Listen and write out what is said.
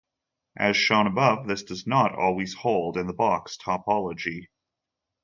As shown above, this does not always hold in the box topology.